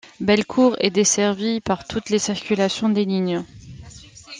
Bellecour est desservie par toutes les circulations des lignes.